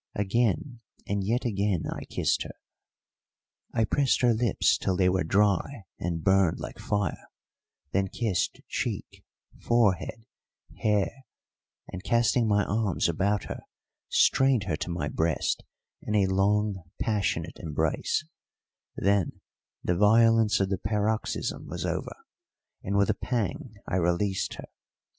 Again and yet again I kissed her; I pressed her lips till they were dry and burned like fire, then kissed cheek, forehead, hair, and, casting my arms about her strained her to my breast in a long, passionate embrace; then the violence of the paroxysm was over, and with a pang I released her.